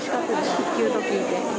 復旧と聞いて。